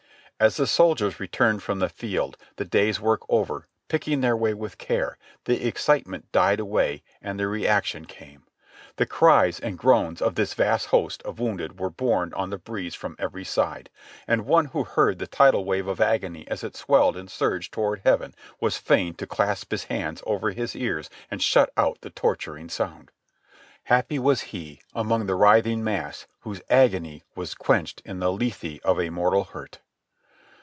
As the soldiers returned from the field, the day's work over, picking their way with care, the excitement died away and the reac tion came. The cries and groans of this vast host of wounded were borne on the breeze from every side. And one who heard the tidal wave of agony as it swelled and surged toward heaven was fain to clasp his hands over his ears and shut out the torturing sound. Happy was he, among the writhing mass, whose agony was quenched in the Lethe of a mortal hurt.